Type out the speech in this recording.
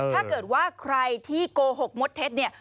ถ้าเกิดว่าใครที่โกหกมดเท็จเนี่ย